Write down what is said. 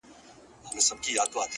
مهرباني د زړه ژبه ده.